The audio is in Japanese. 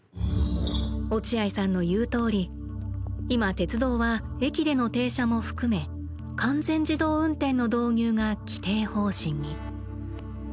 落合さんの言うとおり今鉄道は駅での停車も含め完全自動運転の導入が既定方針に。